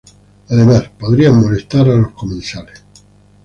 Además, podrían molestar a los comensales.